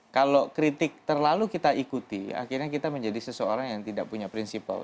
kalau kritik terlalu kita ikuti akhirnya kita menjadi seseorang yang tidak punya prinsipal